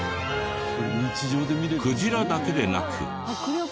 クジラだけでなく。